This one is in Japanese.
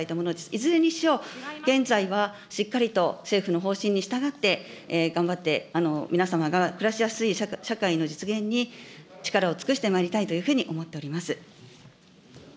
いずれにせよ、現在はしっかりと政府の方針に従って頑張って、皆様が暮らしやすい社会の実現に力を尽くしてまいりたいというふうに思っております。